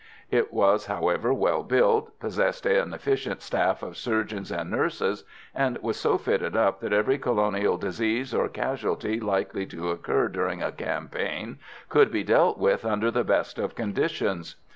It was, however, well built, possessed an efficient staff of surgeons and nurses, and was so fitted up that every colonial disease or casualty likely to occur during a campaign could be dealt with under the best of conditions.